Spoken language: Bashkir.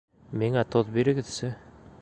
Миңә тоҙ бирегеҙсе